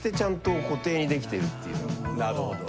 なるほど。